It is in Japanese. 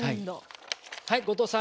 はい後藤さん